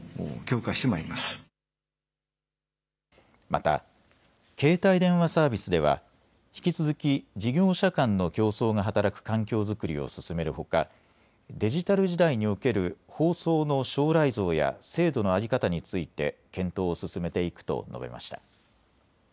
また携帯電話サービスでは引き続き事業者間の競争が働く環境づくりを進めるほかデジタル時代における放送の将来像や制度の在り方について検討を進めていくと述べました。